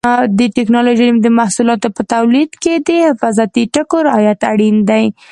د ټېکنالوجۍ د محصولاتو په تولید کې د حفاظتي ټکو رعایت اړین دی.